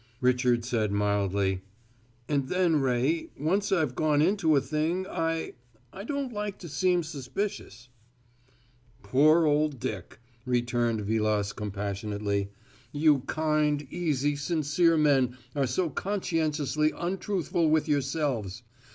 Richard said mildly: "And then, Ray, once I've gone into a thing I I don't like to seem suspicious." "Poor old Dick!" returned Vilas compassionately. "You kind, easy, sincere men are so conscientiously untruthful with yourselves.